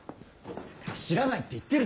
知らないって言ってるだろ。